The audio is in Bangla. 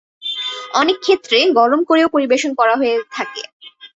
অনেকক্ষেত্রে গরম করেও পরিবেশন করা হয়ে থাকে।